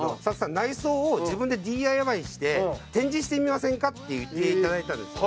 内装を自分でＤＩＹして展示してみませんか？」って言っていただいたんですよ。